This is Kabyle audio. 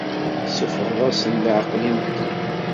Tessuffɣeḍ-asen leɛqel i medden.